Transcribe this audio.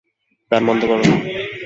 গান বন্ধ করো।